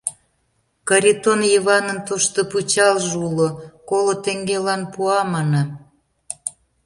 Каритон Йыванын тошто пычалже уло, коло теҥгелан пуа, манам.